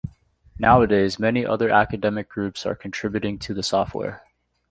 Nowadays many other academic groups are contributing to the software.